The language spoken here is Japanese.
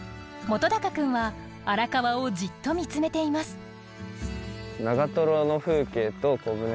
本君は荒川をじっと見つめています。